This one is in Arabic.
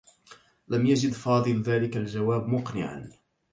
لم يجد فاضل ذلك الجواب مقنعا.